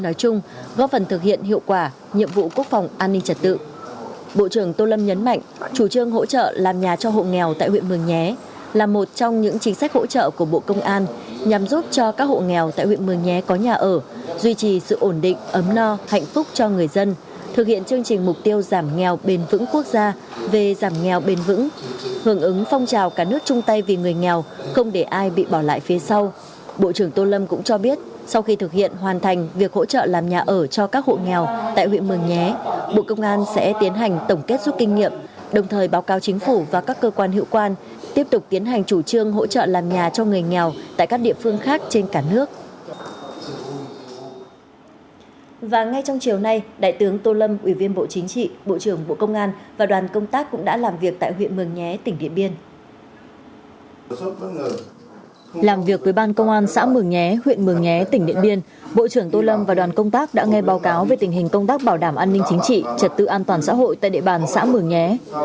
làm việc với ban công an xã mường nhé huyện mường nhé tỉnh điện biên bộ trưởng tô lâm và đoàn công tác đã nghe báo cáo về tình hình công tác bảo đảm an ninh chính trị trật tự an toàn xã hội tại địa bàn xã mường nhé